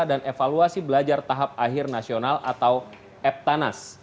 dan evaluasi belajar tahap akhir nasional atau eptanas